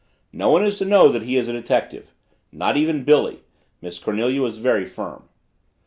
"No one is to know that he is a detective. Not even Billy." Miss Cornelia was very firm.